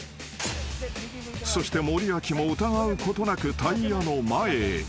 ［そして森脇も疑うことなくタイヤの前へ］